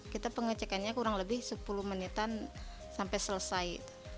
kita pengecekannya kurang lebih sepuluh menitan sampai selesai